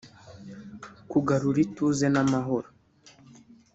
kugarura ituze n’amahoro